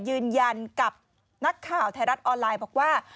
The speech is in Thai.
ยืนยันกับนักข่าวไทยรัฐออนไลน์บอกว่า